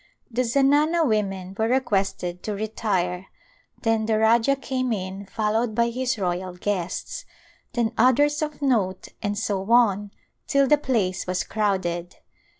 The zanana women were requested to retire, then the Rajah came in fol lowed by his royal guests, then others of note and so on till the place was crowded.